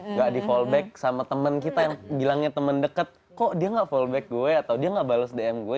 nggak di fallback sama temen kita yang bilangnya temen deket kok dia gak fallback gue atau dia nggak bales dm gue